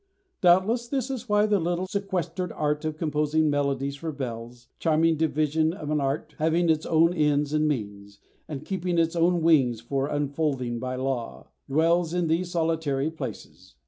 Doubtless this is why the little, secluded, sequestered art of composing melodies for bells charming division of an art, having its own ends and means, and keeping its own wings for unfolding by law dwells in these solitary places.